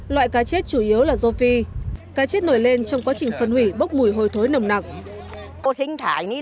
loại cá chết chủ yếu là rô phi cá chết nổi lên trong quá trình phân hủy bốc mùi hôi thối nồng nặng